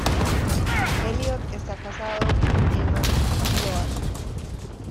Elliot está casado con Emma Loach.